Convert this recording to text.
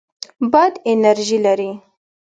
باد انرژي لري.